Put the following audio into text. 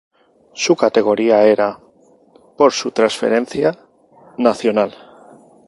Su categoría era, por su transferencia, nacional.